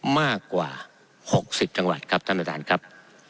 มากกว่า๖๐จังหวัดครับท่านประธานครับ